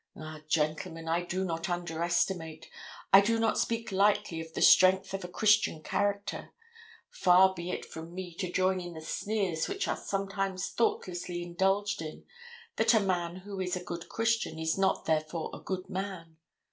Ah, gentlemen, I do not underestimate, I do not speak lightly of the strength of a christian character. Far be it from me to join in the sneers which are sometimes thoughtlessly indulged in that a man who is a good Christian is not therefore a good man.